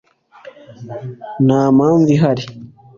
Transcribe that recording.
ntampamvu ihari.